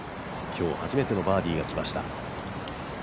今日、初めてのバーディーがきました。